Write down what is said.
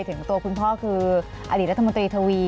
ถึงตัวคุณพ่อคืออดีตรัฐมนตรีทวี